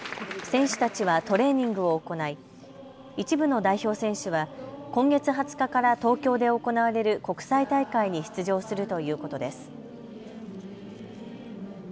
選手たちはトレーニングを行い一部の代表選手は今月２０日から東京で行われる国際大会に出場するということです。